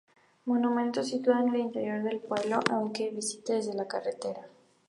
Monumento situado en el interior del pueblo, aunque visible desde la carretera.